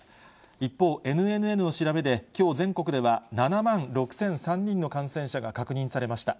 一方、ＮＮＮの調べで、きょう全国では７万６００３人の感染者が確認されました。